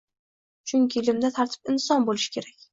Chunki, ilmda tartib-intizom bo‘lishi kerak.